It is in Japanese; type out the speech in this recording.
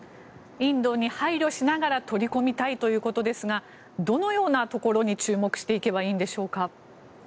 インドに配慮しながら取り込みたいということですがどのようなところに注目していけばいいのでしょうか。